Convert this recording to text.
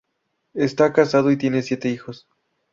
Está casado y tiene siete hijos.